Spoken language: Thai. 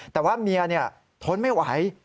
แต่ว่าเมียทนไม่ไหว